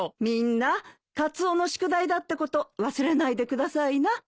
みんなカツオの宿題だってこと忘れないでくださいな。